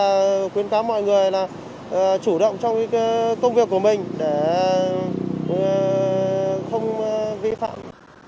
tôi khuyến cáo mọi người là chủ động trong công việc của mình để không gây phạm